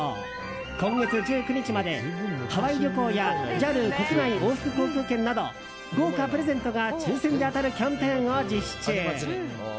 今月１９日まで、ハワイ旅行やＪＡＬ国内往復航空券など豪華プレゼントが抽選で当たるキャンペーンを実施中。